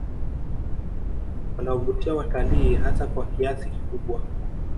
Wanawavutia watalii hasa kwa kiasi kikubwa